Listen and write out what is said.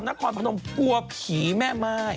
นครพนมกลัวผีแม่ม่าย